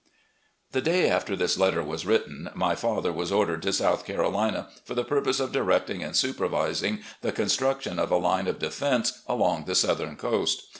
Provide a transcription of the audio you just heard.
The day after this letter was written, my father was ordered to South Carolina for the purpose of directing and supervising the construction of a line of defense along the southern coast.